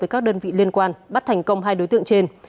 với các đơn vị liên quan bắt thành công hai đối tượng trên